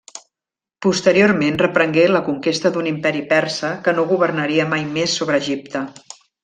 Posteriorment reprengué la conquesta d'un Imperi Persa que no governaria mai més sobre Egipte.